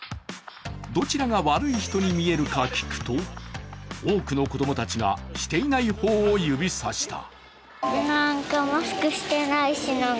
どちらが悪い人に見えるか聞くと、多くの子供たちがしていない方を指さした。